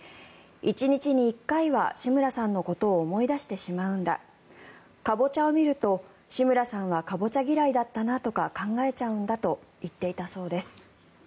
１日に１回は志村さんのことを思い出してしまうんだカボチャを見ると志村さんはカボチャ嫌いだったなとか考えちゃうんだと言っていたそうです。